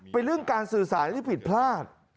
เป็นเรื่องการสื่อสารที่ผิดพลาด